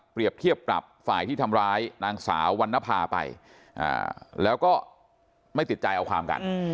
เทียบปรับฝ่ายที่ทำร้ายนางสาววรรณภาไปแล้วก็ไม่ติดใจเอาความกัน